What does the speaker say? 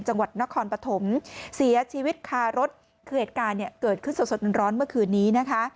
จังหวัดนครปฐมเสียชีวิตคารถเกิดขึ้นสดร้อนเมื่อคืนนี้